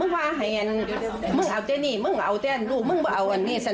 เราจะเองรใชต้องยืดกันเกินไปดังนั้น